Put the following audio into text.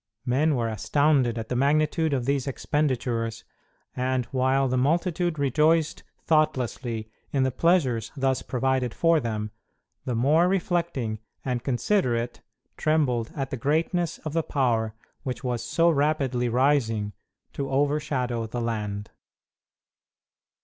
Men were astounded at the magnitude of these expenditures, and, while the multitude rejoiced thoughtlessly in the pleasures thus provided for them, the more reflecting and considerate trembled at the greatness of the power which was so rapidly rising to overshadow the land.